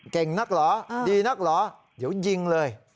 นักเหรอดีนักเหรอเดี๋ยวยิงเลย